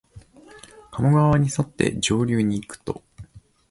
加茂川にそって上流にいくと、